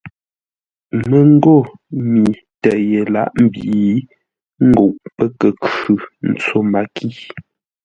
Məngô mi tə́ ye lǎʼ mbǐ nguʼ pə́ kə khʉ ntso makí.